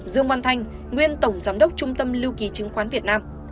dương văn thanh nguyên tổng giám đốc trung tâm lưu ký chứng khoán việt nam